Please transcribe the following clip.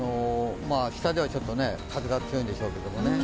下では風が強いんでしょうけどね。